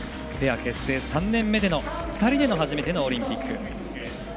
ペア結成３年目で２人で初めてのオリンピック。